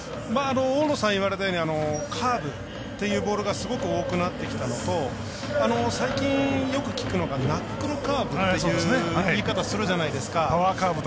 大野さんが言われたようにカーブっていうボールがすごく多くなってきたのと最近よく聞くのがナックルカーブって言い方するじゃないですか。